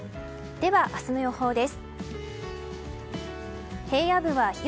では明日の予報です。